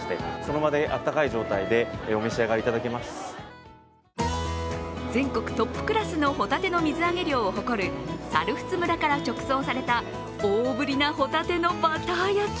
他にも全国トップクラスのほたての水揚げ量を誇る猿払村から直送された大ぶりなほたてのバター焼き。